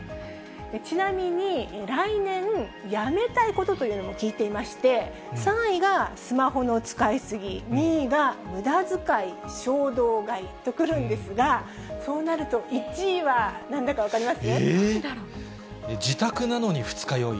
ちなみに来年やめたいことというのも聞いていまして、３位がスマホの使い過ぎ、２位がむだづかい、衝動買いと来るんですが、そうなると１位はなんだか分かります？